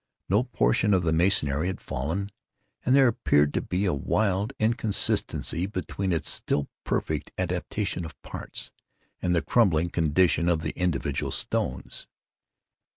No portion of the masonry had fallen; and there appeared to be a wild inconsistency between its still perfect adaptation of parts, and the crumbling condition of the individual stones.